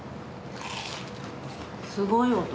すごい音。